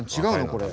これ。